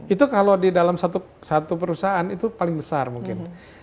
itu kalau di dalam satu perusahaan itu paling besar mungkin